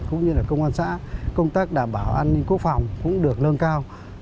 cũng như là công an xã công tác đảm bảo an ninh quốc phòng cũng được nâng cao